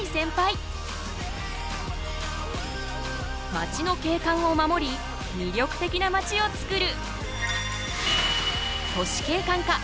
まちの景観を守り魅力的なまちをつくる！